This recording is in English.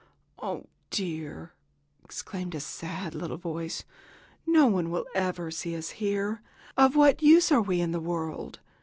"Oh, dear!" exclaimed a sad little voice, "no one will ever see us here! Of what use are we in the world?